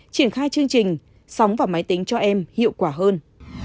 triển khai chương trình sóng vào máy tính cho em hiệu quả hơn